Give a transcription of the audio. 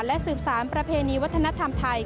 และสืบสารประเพณีวัฒนธรรมไทย